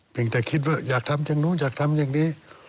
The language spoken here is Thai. จะคิดว่าอยากทำอย่างนู้นอยากทำอย่างนี้